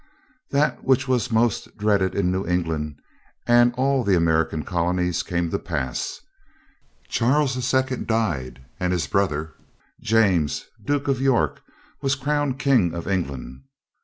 That which was most dreaded in New England and all the American colonies came to pass. Charles II. died, and his brother James, Duke of York, was crowned King of England.